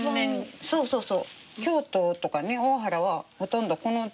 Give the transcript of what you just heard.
そうそうそうそう。